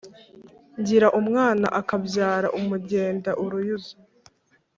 Ngira umwana akabyara umugenda-Uruyuzi.